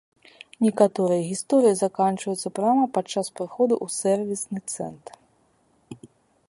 Некаторыя гісторыі заканчваюцца прама падчас прыходу ў сэрвісны цэнтр.